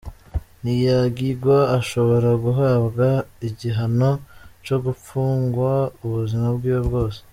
Ni yagigwa, ashobora guhabwa igihano co gupfungwa ubuzima bwiwe bwose.